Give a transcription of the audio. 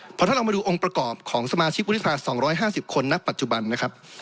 เพราะถ้าเรามาดูองค์ประกอบของสมาชิกวุฒิภา๒๕๐คนณปัจจุบันนะครับ